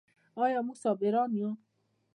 آیا موږ صابران یو؟